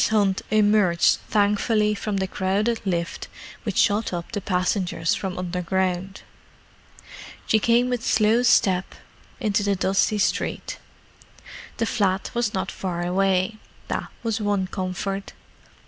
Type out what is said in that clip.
Hunt emerged thankfully from the crowded lift which shot up the passengers from underground. She came with slow step into the dusty street. The flat was not far away: that was one comfort.